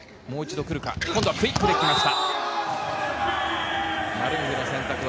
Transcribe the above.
もう一度くるか、今度はクイックできました。